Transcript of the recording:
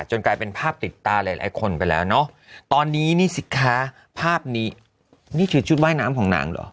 กลายเป็นภาพติดตาหลายคนไปแล้วเนอะตอนนี้นี่สิคะภาพนี้นี่คือชุดว่ายน้ำของหนังเหรอ